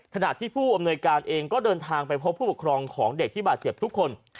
ขณะที่ผู้อำนวยการเองก็เดินทางไปพบผู้ปกครองของเด็กที่บาดเจ็บทุกคน